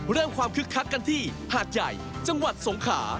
เริ่มความคึกคักกันที่หาดใหญ่จังหวัดสงขา